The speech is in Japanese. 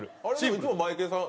いつもマエケンさん